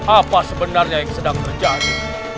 apa sebenarnya yang sedang terjadi